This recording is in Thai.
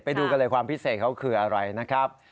ไปดูกันเลยความพิเศษเขาคืออะไรนะครับ